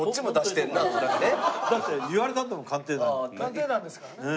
『鑑定団』ですからね。